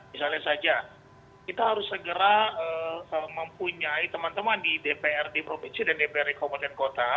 misalnya saja kita harus segera mempunyai teman teman di dpr di provinsi dan dpr kompeten kota